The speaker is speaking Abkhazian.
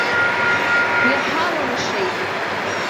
Иҳалымшеит.